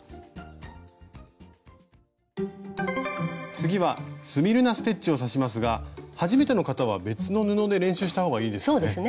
次はスミルナ・ステッチを刺しますが初めての方は別の布で練習したほうがいいですかね？